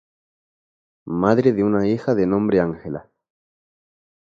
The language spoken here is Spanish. Madre de una hija de nombre Ángela.